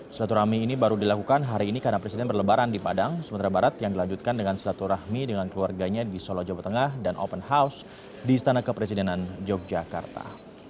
silaturahmi ini baru dilakukan hari ini karena presiden berlebaran di padang sumatera barat yang dilanjutkan dengan silaturahmi dengan keluarganya di solo jawa tengah dan open house di istana kepresidenan yogyakarta